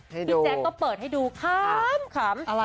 พี่แจ๊คก็เปิดให้ดูขำ